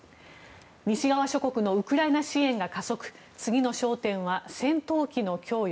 西側諸国のウクライナ支援が加速次の焦点は戦闘機の供与。